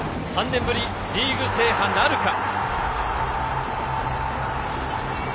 ３年ぶりリーグ制覇なるか。